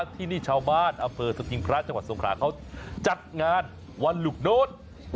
ที่นี่ชาวบ้านอำเภอสกิงพระจังหวัดสงขราเขาจัดงานวันหลุกโน้ต